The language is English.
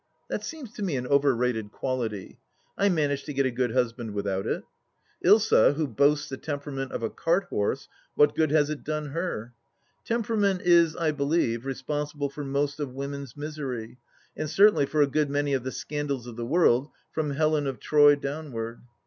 That seems to me an over rated quality ; I managed to get a good husband without it. Ilsa, who boasts the tem perament of a cart horse — what good has it done her ? Tem perament is, I believe, responsible for most of woman's misery, and certainly for a good many of the scandals of the world, from Helen of Troy downward.